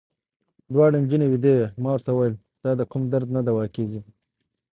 دواړې نجونې وېدې وې، ما ورته وویل: دا د کوم درد نه دوا کېږي.